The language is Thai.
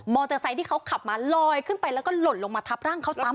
มอเตอร์ไซค์ที่เขาขับมาลอยขึ้นไปแล้วก็หล่นลงมาทับร่างเขาซ้ำอะ